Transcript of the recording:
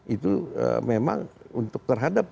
itu memang untuk terhadap